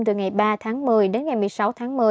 từ ngày ba tháng một mươi đến ngày một mươi sáu tháng một mươi